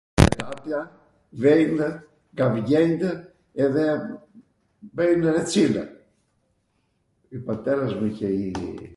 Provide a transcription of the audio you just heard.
vejnw nga vgjenjtw edhe bwjnw recinw. κι ο πατέρας μου είχε γίνει